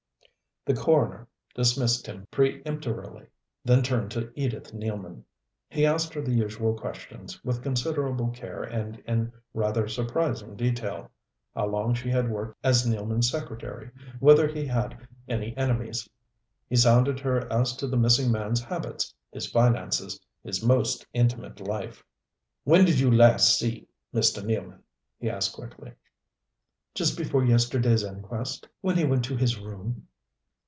The coroner dismissed him pre emptorily, then turned to Edith Nealman. He asked her the usual questions, with considerable care and in rather surprising detail how long she had worked as Nealman's secretary, whether he had any enemies; he sounded her as to the missing man's habits, his finances, his most intimate life. "When did you last see Mr. Nealman?" he asked quickly. "Just before yesterday's inquest when he went to his room."